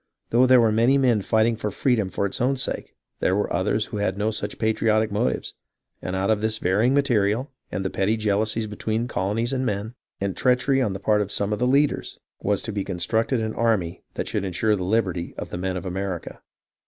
Though there were many men fighting for freedom for its own sake, there were others who had no such patriotic motives, and out of this varying material, and petty jealousies between colonies and men, and treachery on the part of some of the leaders, was to be constructed an army that should insure the liberty of the men of America.